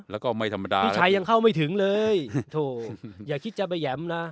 แล้วก็ไม่ธรรมดาพี่ชัยยังเข้าไม่ถึงเลยอย่าคิดจะไปแหยมนะ